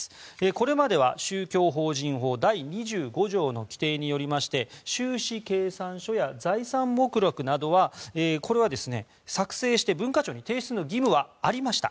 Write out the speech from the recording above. これまでは宗教法人法第２５条の規定によりまして収支計算書や財産目録などは作成して、文化庁に提出の義務はありました。